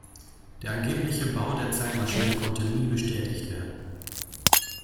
Der angebliche Bau der Zeitmaschine konnte nie bestätigt werden.